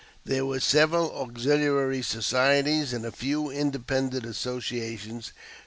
There were several auxiliary societies and a few independent associations.